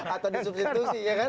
atau disubstitusi iya kan